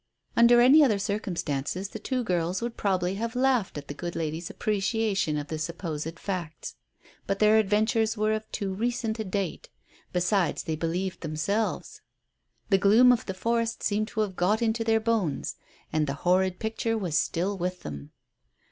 Under any other circumstances the two girls would probably have laughed at the good lady's appreciation of the supposed facts. But their adventures were of too recent a date; besides, they believed themselves. The gloom of the forest seemed to have got into their bones, and the horrid picture was still with them.